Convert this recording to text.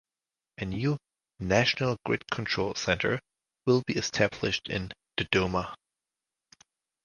A new "National Grid Control Center" will be established in Dodoma.